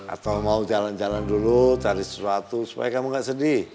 atau mau jalan jalan dulu cari sesuatu supaya kamu nggak sedih